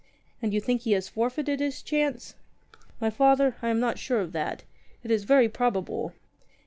"And you think he has forfeited his chance?" "My Father, I am not sure of that. It is very probable."